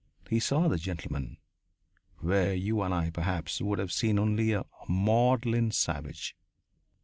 He saw the gentleman, where you and I, perhaps, would have seen only a maudlin savage.